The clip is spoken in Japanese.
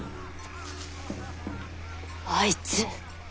あいつ！